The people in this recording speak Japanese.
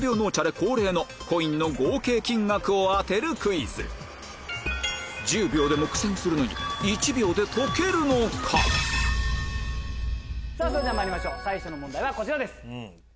恒例のコインの合計金額を当てるクイズ１０秒でも苦戦するのにそれではまいりましょう最初の問題はこちらです。